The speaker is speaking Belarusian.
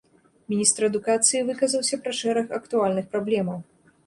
Міністр адукацыі выказаўся пра шэраг актуальных праблемаў.